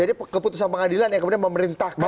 jadi keputusan pengadilan yang kemudian memerintahkan